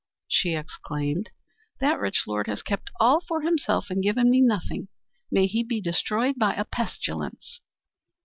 she exclaimed, "that rich lord has kept all for himself and given me nothing. May he be destroyed by a pestilence!"